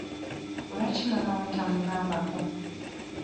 Lwaki maama we tamugambako?